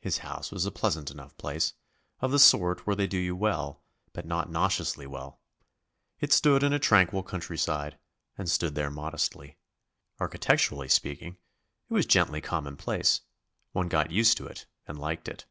His house was a pleasant enough place, of the sort where they do you well, but not nauseously well. It stood in a tranquil countryside, and stood there modestly. Architecturally speaking, it was gently commonplace; one got used to it and liked it.